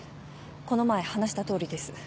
この前話したとおりです。